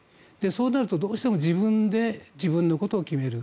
そうなるとどうしても自分で自分のことを決める。